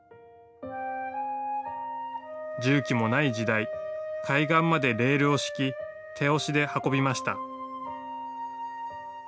重機もない時代、海岸までレールを敷き、手押しで運びました。